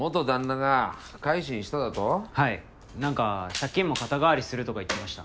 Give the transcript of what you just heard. なんか借金も肩代わりするとか言ってました。